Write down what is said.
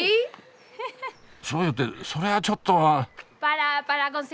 「そうよ」ってそれはちょっとあ。